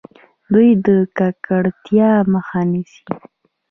دوی د ککړتیا مخه نیسي.